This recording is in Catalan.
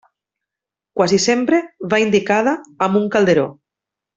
Quasi sempre va indicada amb un calderó.